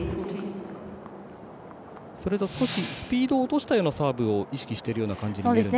それと、少しスピードを落としたようなサーブを意識しているような感じに見えるんですが。